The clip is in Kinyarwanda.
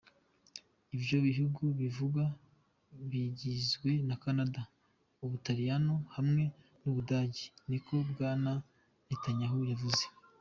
Ivyo bihugu bivugwa bigizwe na Canada, Ubutaliyano hamwe n'Ubudagi, niko Bwana Netanyahu yavuze.